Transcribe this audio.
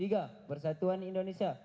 tiga bersatuan indonesia